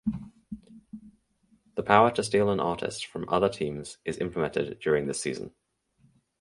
The power to steal an artist from other teams is implemented during this season.